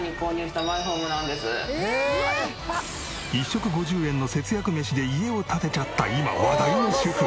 １食５０円の節約メシで家を建てちゃった今話題の主婦。